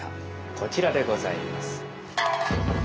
こちらでございます。